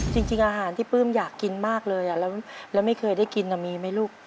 จริงอาหารที่ปลื้มอยากกินมากเลยแล้วไม่เคยได้กินมีไหมลูก